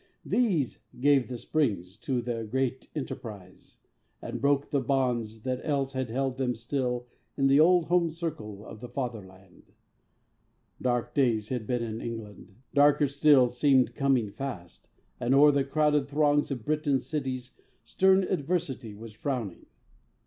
These gave the springs to their great enterprise, And broke the bonds that else had held them still In the old home circle of the Fatherland. Dark days had been in England. Darker still Seemed coming fast, and o'er the crowded throngs Of Britain's cities, stern adversity Was frowning.